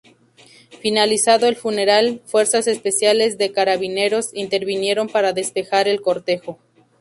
Finalizado el funeral, Fuerzas Especiales de Carabineros intervinieron para despejar el cortejo.